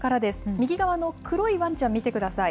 右側の黒いわんちゃん見てください。